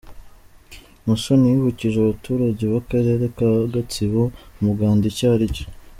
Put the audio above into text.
Musoni yibukije abaturage b’Akarere ka Gatsibo, umuganda icyo ari cyo.